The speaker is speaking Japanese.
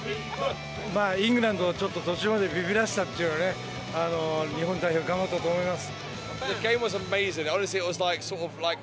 イングランドをちょっと途中までびびらせたっていうのがね、日本代表、頑張ったと思います。